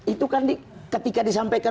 itu kan ketika disampaikan